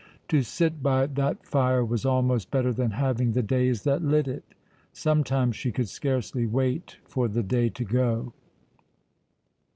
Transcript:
To sit by that fire was almost better than having the days that lit it; sometimes she could scarcely wait for the day to go.